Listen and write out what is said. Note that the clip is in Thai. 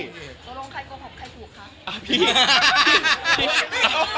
ตกลงใครโกหกใครถูกคะ